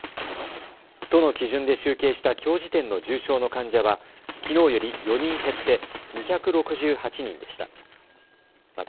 都の基準で集計したきょう時点の重症の患者はきのうより４人減って２６８人でした。